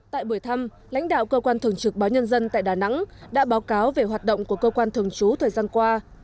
tại buổi thăm lãnh đạo cơ quan thường trực báo nhân dân tại đà nẵng đã báo cáo về hoạt động của cơ quan thường trú thời gian qua